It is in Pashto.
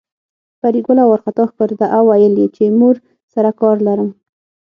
پري ګله وارخطا ښکارېده او ويل يې چې مور سره کار لرم